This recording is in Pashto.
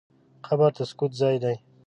قبر د سکوت ځای دی.